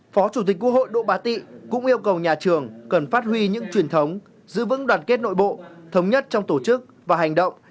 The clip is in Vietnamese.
phó chủ tịch quốc hội độ bá tị cũng yêu cầu nhà trường cần phát huy những truyền thống giữ vững đoàn kết nội bộ thống nhất trong tổ chức và hành động